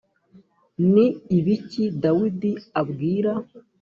ni ibiki dawidi abwira